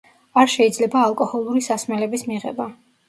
არ შეიძლება ალკოჰოლური სასმელების მიღება.